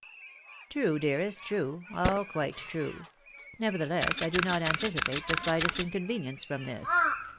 " True, dearest, true — all quite true ; nevertheless, I do not anticipate the slightest inconvenience from this.